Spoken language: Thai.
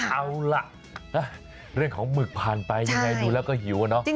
เอาล่ะเรื่องของหมึกผ่านไปยังไงดูแล้วก็หิวอะเนาะ